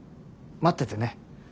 待っててね。